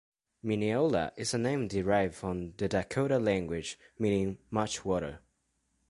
Minneola is a name derived from the Dakota language meaning "much water".